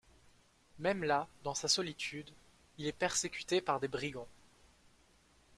Même là dans sa solitude, il est persécuté par des brigands.